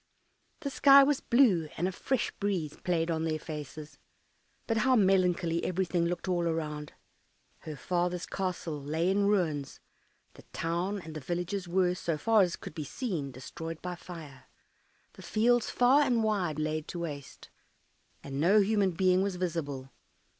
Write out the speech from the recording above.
The sky was blue, and a fresh breeze played on their faces; but how melancholy everything looked all around! Her father's castle lay in ruins, the town and the villages were, so far as could be seen, destroyed by fire, the fields far and wide laid to waste, and no human being was visible.